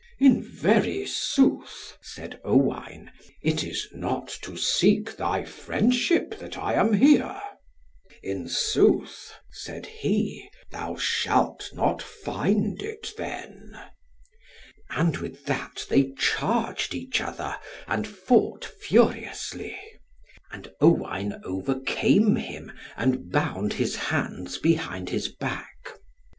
"In very sooth," said Owain, "it is not to seek thy friendship that I am here." "In sooth," said he, "thou shalt not find it then." And with that they charged each other, and fought furiously. And Owain overcame him, and bound his hands behind his back.